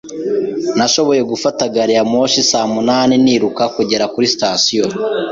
Nashoboye gufata gari ya moshi saa munani niruka kugera kuri sitasiyo.